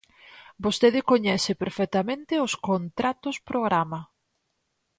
Vostede coñece perfectamente os contratos programa.